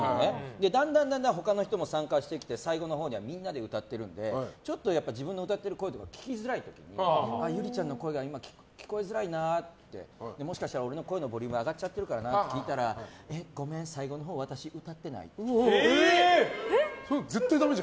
だんだん他の人も参加してきて、最後のほうにはみんなで歌っているのでちょっと自分の歌っている声が聴きづらいときゆりちゃんの声が聞こえづらいなってもしかしたら俺の声のボリュームが上がっちゃっているかなって聞いたらごめん、最後のほう私、歌ってないって。